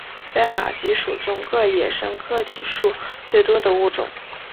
在马鸡属中个野生个体数最多的物种。